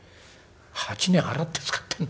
「８年洗って使ってんの。